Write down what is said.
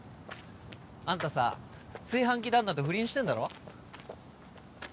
あんたさ炊飯器旦那と不倫してんだろう？